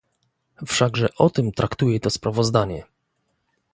Wszakże o tym traktuje to sprawozdanie